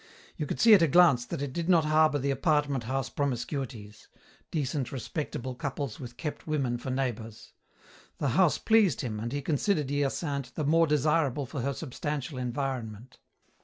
You could see at a glance that it did not harbour the apartment house promiscuities: decent, respectable couples with kept women for neighbours. The house pleased him, and he considered Hyacinthe the more desirable for her substantial environment.